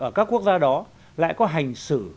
ở các quốc gia đó lại có hành xử